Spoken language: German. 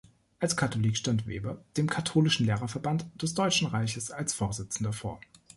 Als Katholik stand Weber dem katholischen Lehrerverband des Deutschen Reiches als Vorsitzender vor.